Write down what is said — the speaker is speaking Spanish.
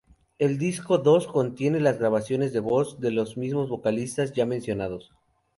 El disco dos contiene las grabaciones de voz de los mismos vocalistas ya mencionados.